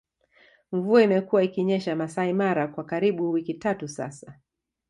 Mvua imekuwa ikinyesha Maasai Mara kwa karibu wiki tatu sasa